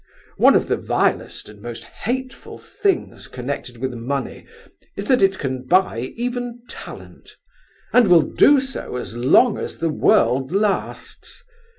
One of the vilest and most hateful things connected with money is that it can buy even talent; and will do so as long as the world lasts.